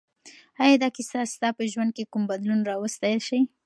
آیا دا کیسه ستا په ژوند کې کوم بدلون راوستی شي؟